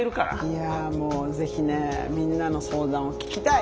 いやもうぜひねみんなの相談を聞きたい。